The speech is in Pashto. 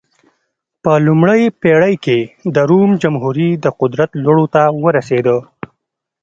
په لومړۍ پېړۍ کې د روم جمهوري د قدرت لوړو ته ورسېده.